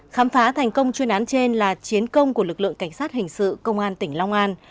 khám phá thành công chuyên án trên là chiến công của lực lượng cảnh sát hình sự công an tỉnh long an